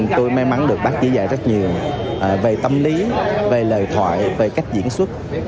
tôi may mắn được bác chỉ dạy rất nhiều về tâm lý về lời thoại về cách diễn xuất